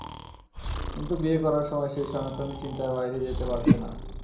কিন্তু বিয়ে করার সময় সেই সনাতনী চিন্তার বাইরে যেতে পারছে না।